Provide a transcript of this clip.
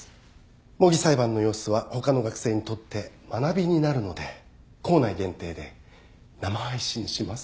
模擬裁判の様子は他の学生にとって学びになるので校内限定で生配信します。